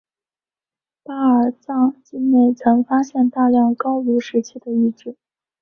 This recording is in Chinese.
巴尔藏境内曾发现大量高卢时期的遗址。